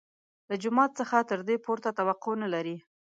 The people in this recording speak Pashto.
له جومات څخه تر دې پورته توقع نه لري.